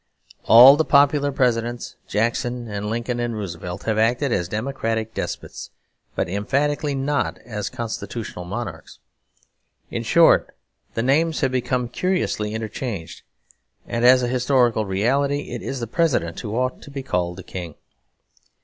All the popular Presidents, Jackson and Lincoln and Roosevelt, have acted as democratic despots, but emphatically not as constitutional monarchs. In short, the names have become curiously interchanged; and as a historical reality it is the President who ought to be called a King.